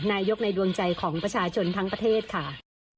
นายกในดวงใจของประชาชนทั้งประเทศค่ะ